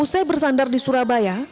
usai bersandar di surabaya